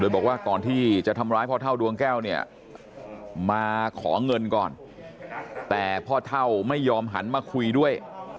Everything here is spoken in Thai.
บอกว่าก่อนที่จะทำร้ายพ่อเท่าดวงแก้วเนี่ยมาขอเงินก่อนแต่พ่อเท่าไม่ยอมหันมาคุยด้วย